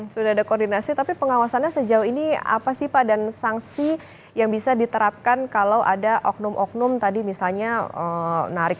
sudah ada koordinasi tapi pengawasannya sejauh ini apa sih pak dan sanksi yang bisa diterapkan kalau ada oknum oknum tadi misalnya narik